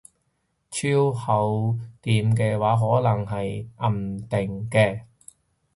超厚墊嘅話可能係掗掟嘅